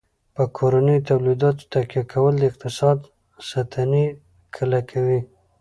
په کورنیو تولیداتو تکیه کول د اقتصاد ستنې کلکوي.